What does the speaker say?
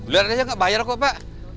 lihat aja pak bayar kok pak